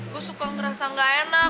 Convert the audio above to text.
gue suka ngerasa gak enak